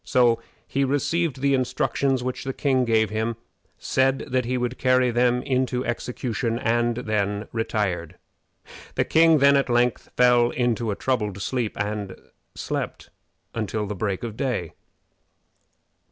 So he received the instructions which the king gave him, said that he would carry them into execution, and then retired. The king then at length fell into a troubled sleep, and slept until the break of day.